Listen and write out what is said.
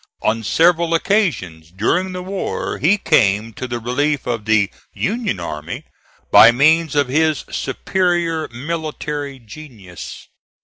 On several occasions during the war he came to the relief of the Union army by means of his SUPERIOR MILITARY GENIUS.